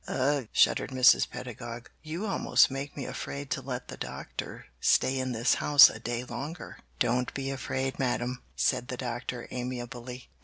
"Ugh!" shuddered Mrs. Pedagog. "You almost make me afraid to let the Doctor stay in this house a day longer." "Don't be afraid, Madame," said the Doctor amiably.